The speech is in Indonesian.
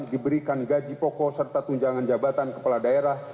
diberikan gaji pokok serta tunjangan jabatan kepala daerah